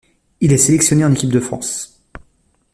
Il est sélectionné en équipe de France.